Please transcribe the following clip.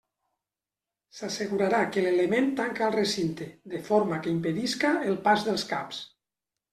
S'assegurarà que l'element tanca el recinte, de forma que impedisca el pas dels caps.